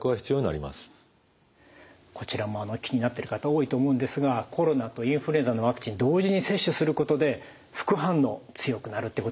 こちらも気になってる方多いと思うんですがコロナとインフルエンザのワクチン同時に接種することで副反応強くなるってことはないんでしょうか？